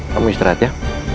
kamu istirahat ya